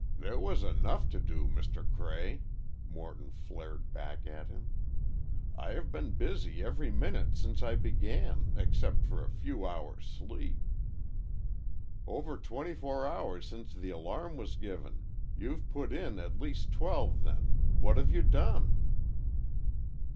"There was enough to do, Mr. Cray," Morton flared back at him. "I have been busy every minute since I began, except for a few hours sleep." "Over twenty four hours since the alarm was given. You've put in at least twelve, then. What have you done?"